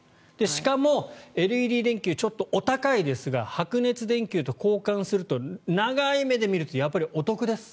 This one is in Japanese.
しかもＬＥＤ電球ちょっとお高いですが白熱電球と交換すると長い目で見るとやっぱりお得です。